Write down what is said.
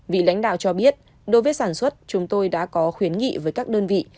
vị lãnh đạo cho biết đối với sản xuất chúng tôi đã có khuyến nghị với các đơn vị